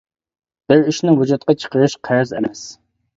بىر ئىشنى ۋۇجۇدقا چىقىرىش قەرز ئەمەس.